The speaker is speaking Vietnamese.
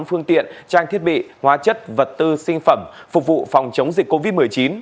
phương tiện trang thiết bị hóa chất vật tư sinh phẩm phục vụ phòng chống dịch covid một mươi chín